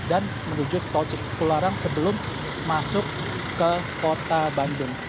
dan menuju tol kularang sebelum masuk ke kota bandung